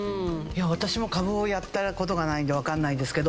私も株をやった事がないんでわからないんですけど。